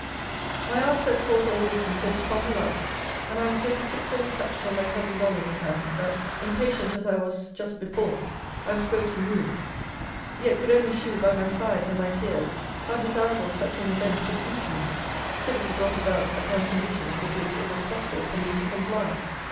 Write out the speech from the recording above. My aunt set forth all this in so strong a light, and I was so particularly touched on my cousin Dolly's account, that, impatient as I was just before, I was greatly moved: yet could only shew, by my sighs and my tears, how desirable such an event would be to me, could it be brought about upon conditions with which it was possible for me to comply.